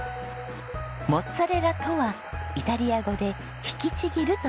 モッツァレラとはイタリア語で引きちぎるという意味。